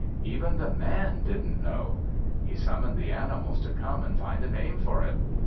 Even the Man didn't know. He summoned the animals to come and find a name for it.